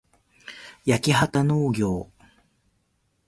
やきはたのうぎょう